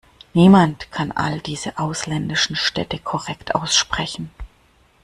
Niemand kann all diese ausländischen Städte korrekt aussprechen.